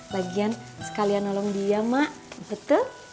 lagian sekalian nolong dia mak betul